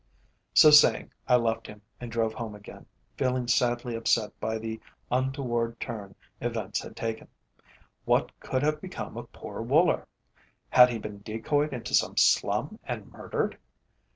So saying I left him and drove home again, feeling sadly upset by the untoward turn events had taken. What could have become of poor Woller? Had he been decoyed into some slum and murdered?